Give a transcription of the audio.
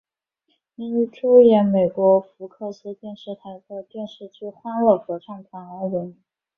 因出演美国福克斯电视台的电视剧欢乐合唱团而闻名。